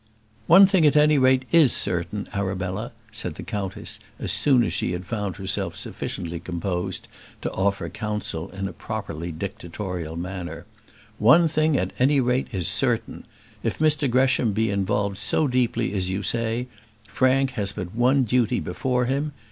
"One thing at any rate is certain, Arabella," said the countess, as soon as she found herself again sufficiently composed to offer counsel in a properly dictatorial manner. "One thing at any rate is certain; if Mr Gresham be involved so deeply as you say, Frank has but one duty before him.